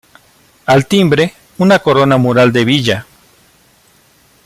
Al timbre, una corona mural de villa.